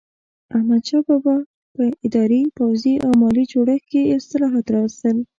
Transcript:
احمدشاه بابا په اداري، پوځي او مالي جوړښت کې اصلاحات راوستل.